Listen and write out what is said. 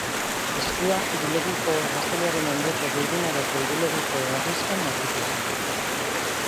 Eskua, Irulegiko gazteluaren ondoko Burdin Aroko Irulegiko herrixkan aurkitu zen